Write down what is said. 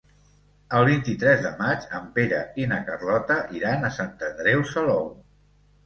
El vint-i-tres de maig en Pere i na Carlota iran a Sant Andreu Salou.